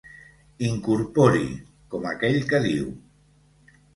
Incorpori, com aquell que diu.